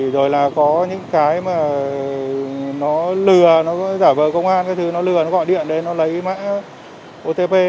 rồi là có những cái mà nó lừa nó giả vờ công an nó lừa nó gọi điện nó lấy mã otp